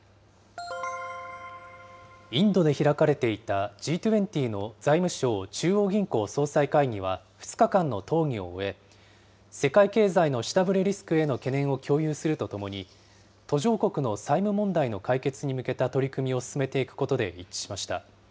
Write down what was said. インドで開かれていた、Ｇ２０の財務相・中央銀行総裁会議は２日間の討議を終え、世界経済の下振れリスクへの懸念を共有するとともに、途上国の債務問題の解決に向けた取り組みを進めていくことで一致しました。